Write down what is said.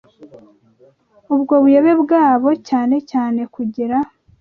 ubwo buyobe bwabo cyane cyane kugira